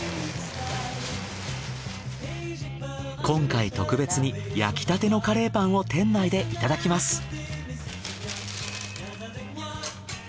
今回特別に焼きたてのカレーパンを店内でいただきます。